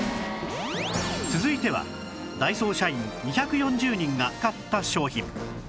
続いてはダイソー社員２４０人が買った商品